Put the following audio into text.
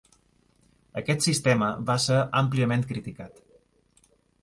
Aquest sistema va ser àmpliament criticat.